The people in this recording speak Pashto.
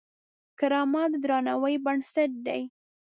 کرامت د درناوي بنسټ دی.